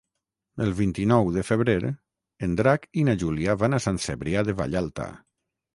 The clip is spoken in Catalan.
El vint-i-nou de febrer en Drac i na Júlia van a Sant Cebrià de Vallalta.